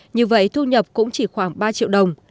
như vậy thu nhập cũng chỉ khoảng ba triệu đồng